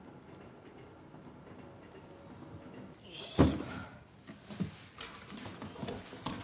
よいしょ。